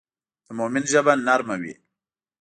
د مؤمن ژبه نرم وي.